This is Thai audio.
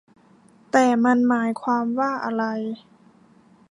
แต่มันหมายความว่าอะไร